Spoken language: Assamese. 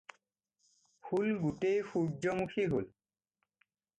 ফুল গোটেই সূৰ্য্যমুখী হ'ল।